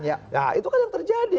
ya itu kan yang terjadi